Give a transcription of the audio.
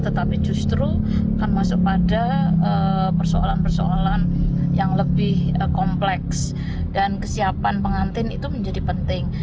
tetapi justru akan masuk pada persoalan persoalan yang lebih kompleks dan kesiapan pengantin itu menjadi penting